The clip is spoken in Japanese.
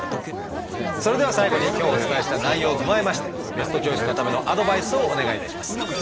それでは最後に今日お伝えした内容を踏まえましてベストチョイスのためのアドバイスをお願いいたします。